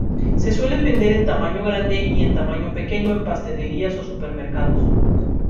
Se suelen vender en tamaño grande y en tamaño pequeño en pastelerías o supermercados.